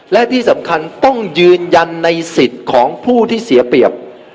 และที่สำคัญต้องยืนยันในสิทธิ์ของผู้ที่เสียเปรียบ